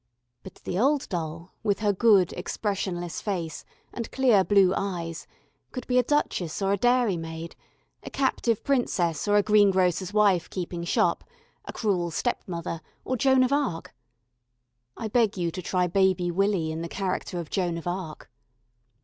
But the old doll, with her good, expressionless face and clear blue eyes, could be a duchess or a dairymaid, a captive princess or a greengrocer's wife keeping shop, a cruel stepmother or Joan of Arc. I beg you to try Baby Willy in the character of Joan of Arc.